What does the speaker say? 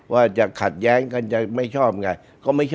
ว่าจะขัดแย้งกันจะไม่ชอบไง